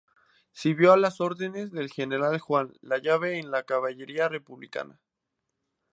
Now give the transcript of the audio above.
Sirvió a las órdenes del general Juan Lavalle en la caballería republicana.